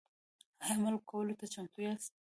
ایا عمل کولو ته چمتو یاست؟